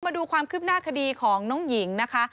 มาดูความคืบหน้าคดีของน้องหญิงนะคะ